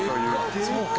「そうか。